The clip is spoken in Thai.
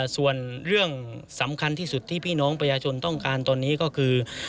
ส่วนเรื่องสำคัญที่สุดที่พี่น้องประชาชนต้องการตอนนี้ก็คือ